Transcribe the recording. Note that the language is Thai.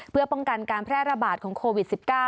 เพื่อป้องกันการแพร่ระบาดของโควิด๑๙